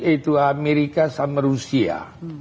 yaitu amerika sama rusia